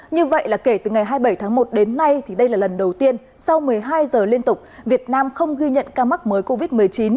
như vậy là kể từ ngày hai mươi bảy tháng một đến nay thì đây là lần đầu tiên sau một mươi hai giờ liên tục việt nam không ghi nhận ca mắc mới covid một mươi chín